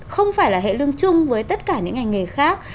không phải là hệ lưng chung với tất cả những ngành nghề khác